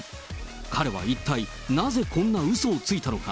彼は一体、なぜこんなうそをついたのか。